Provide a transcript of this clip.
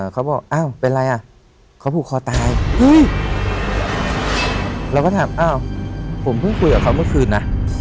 เขาบอกอ้าวเป็นไรอ่ะเขาผูกคอตายเราก็ถามอ้าวผมเพิ่งคุยกับเขาเมื่อคืนนะ